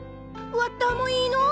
ワッターもいいの？